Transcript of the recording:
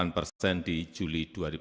delapan persen di juli dua ribu dua puluh